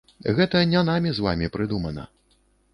Гэта не намі з вамі прыдумана.